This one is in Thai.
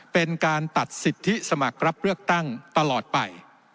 เป็นการตัดสิทธิสมัครรับเลือกตั้งตลอดไป